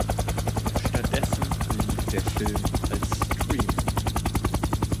Stattdessen lief der Film als Stream.